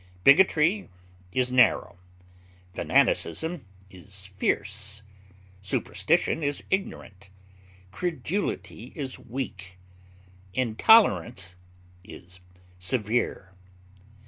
Bigotry is narrow, fanaticism is fierce, superstition is ignorant, credulity is weak, intolerance is severe.